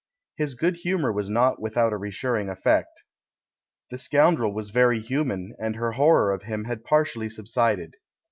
His good humour was not without a reassuring effect. The scoundrel was very human, and her horror of him had partially subsided.